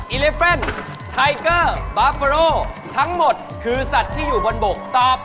อิลิเฟนไทเกอร์บาร์โปโรทั้งหมดคือสัตว์ที่อยู่บนบกตอบ